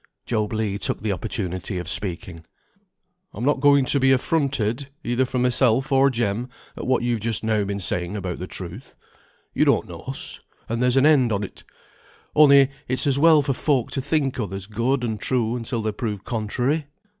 Job Legh took the opportunity of speaking. "I'm not going to be affronted either for myself or Jem at what you've just now been saying about the truth. You don't know us, and there's an end on't; only it's as well for folk to think others good and true until they're proved contrary.